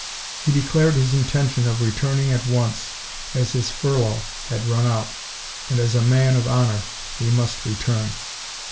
He declared his intention of returning at once, as his "furlough" had run out, and as a "man of honor" he must return.